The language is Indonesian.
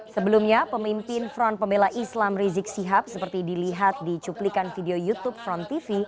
sebelumnya pemimpin front pembela islam rizik sihab seperti dilihat di cuplikan video youtube front tv